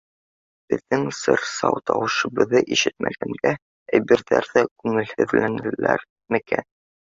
Беҙҙең сыр-сыу тауышыбыҙҙы ишетмәгәнгә әйберҙәр ҙә күңелһеҙләнәләр микән?